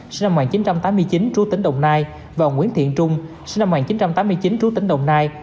sinh năm một nghìn chín trăm tám mươi chín trú tỉnh đồng nai và nguyễn thiện trung sinh năm một nghìn chín trăm tám mươi chín trú tỉnh đồng nai